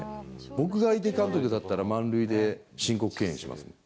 僕が相手監督だったら満塁で、申告敬遠します。